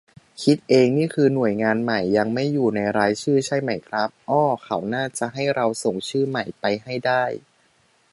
คิดเองนี่คือ หน่วยงานใหม่ ยังไม่อยู่ในรายชื่อใช่ไหมครับ เอ้อ เขาน่าจะให้เราส่งชื่อใหม่ไปให้ได้